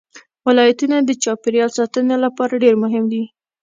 ولایتونه د چاپیریال ساتنې لپاره ډېر مهم دي.